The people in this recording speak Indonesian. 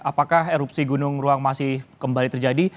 apakah erupsi gunung ruang masih kembali terjadi